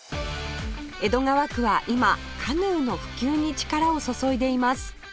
江戸川区は今カヌーの普及に力を注いでいます